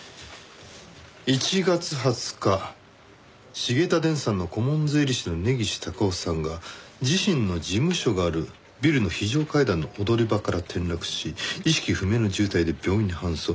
「１月２０日繁田電産の顧問税理士の根岸隆雄さんが自身の事務所があるビルの非常階段の踊り場から転落し意識不明の重体で病院に搬送」